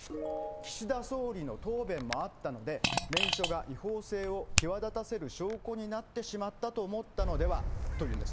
岸田総理の答弁もあったので、念書が違法性を際立たせる証拠になってしまったと思ったのではというんです。